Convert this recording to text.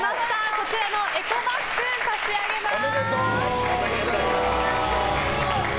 こちらのエコバッグ差し上げます。